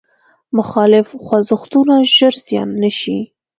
مخالف خوځښتونه ژر زیان نه شي.